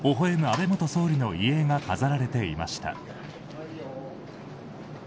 安倍元総理の遺影が飾られていました。